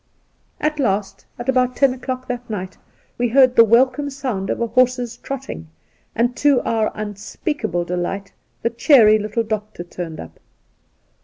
At last, at about ten o'clock that night, we heard the welcome sound of a horse's trotting, and to our unspeakable delight the cheery little doctor turned up.